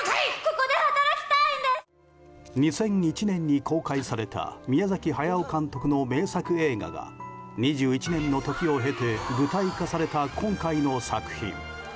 ２００１年に公開された宮崎駿監督の名作映画が２１年の時を経て舞台化された今回の作品。